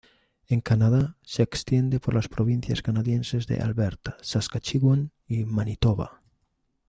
En Canadá, se extienden por las provincias canadienses de Alberta, Saskatchewan y Manitoba.